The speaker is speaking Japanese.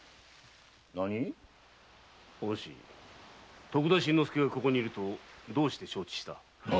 何お主徳田新之助がここにおるとどうして承知した？